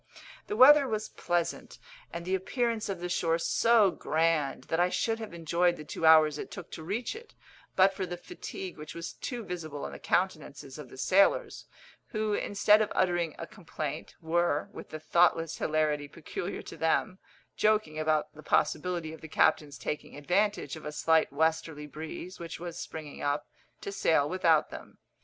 The weather was pleasant, and the appearance of the shore so grand that I should have enjoyed the two hours it took to reach it, but for the fatigue which was too visible in the countenances of the sailors, who, instead of uttering a complaint, were, with the thoughtless hilarity peculiar to them, joking about the possibility of the captain's taking advantage of a slight westerly breeze, which was springing up, to sail without them.